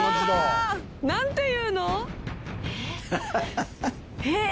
何て言うの？